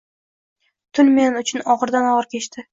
Tun men uchun og‘irdan og‘ir kechdi